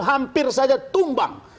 hampir saja tumbang